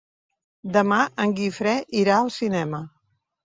Demà en Guifré irà al cinema.